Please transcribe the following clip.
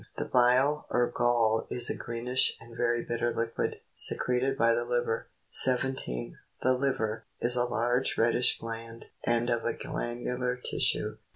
The bile, or gall is a greenish and very bitter liquid, secreted by the liver. 17. The liver, (Fig. 22, f.) is a large reddish gland, and of a granular tissue.